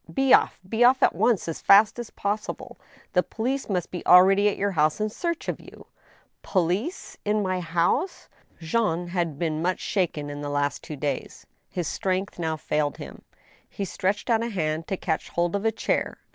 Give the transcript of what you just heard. " Be off— be off at once as fast as possible ! The police must be already at your house in search of you I "" Police ? In my house ?" Jean had been much shaken in the last two days. His strength now failed him. He stretched out a hand to catch hold of a chair.